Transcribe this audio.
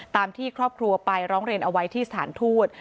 ตามที่ครอบครัวไปร้องเรียนเอาไว้ที่สถานทูต